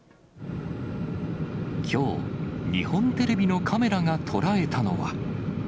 きょう、日本テレビのカメラが捉えたのは。